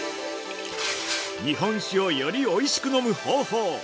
◆日本酒をよりおいしく飲む方法。